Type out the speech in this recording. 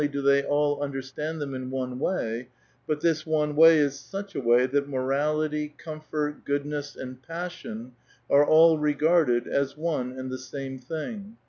201 do the}' all understand them in one way, but this one way is such a way that morality, comfort, goodness, and passion are all regarded as one and the same tiling.